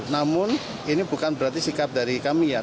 namun ini bukan berarti sikap dari kami ya